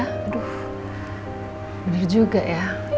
aduh bener juga ya